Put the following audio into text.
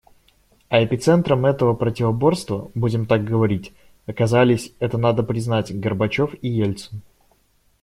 А эпицентром этого противоборства, будем так говорить, оказались, это надо признать, Горбачев и Ельцин.